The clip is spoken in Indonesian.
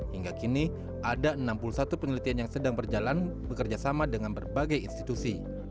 hingga kini ada enam puluh satu penelitian yang sedang berjalan bekerjasama dengan berbagai institusi